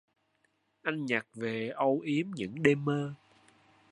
Anh nhặt về âu yếm những đêm mơ